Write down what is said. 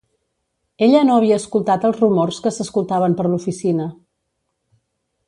Ella no havia escoltat els rumors que s'escoltaven per l'oficina.